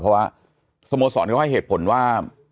เพราะว่าสโมสรเขาให้เหตุผลว่า